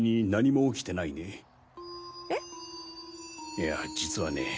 いや実はね